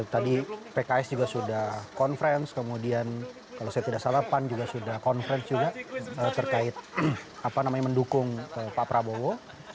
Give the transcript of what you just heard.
tadi pks juga sudah conference kemudian kalau saya tidak salah pan juga sudah conference juga terkait mendukung pak prabowo